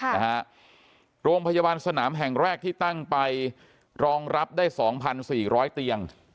นะฮะโรงพยาบาลสนามแห่งแรกที่ตั้งไปรองรับได้สองพันสี่ร้อยเตียง